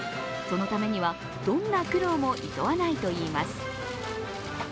そのためには、どんな苦労もいとわないといいます。